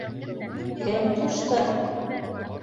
— Кем ҡушты?